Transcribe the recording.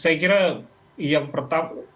saya kira yang pertama